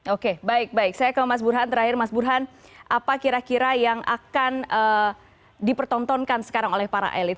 oke baik baik saya ke mas burhan terakhir mas burhan apa kira kira yang akan dipertontonkan sekarang oleh para elit